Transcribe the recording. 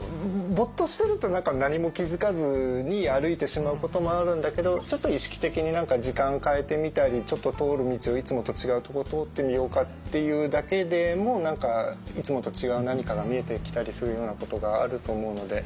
ぼーっとしてると何か何も気付かずに歩いてしまうこともあるんだけどちょっと意識的に時間変えてみたりちょっと通る道をいつもと違うとこ通ってみようかっていうだけでも何かいつもと違う何かが見えてきたりするようなことがあると思うので。